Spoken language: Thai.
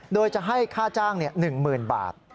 โดยจะให้ค่าจ้าง๑๐๐๐บาท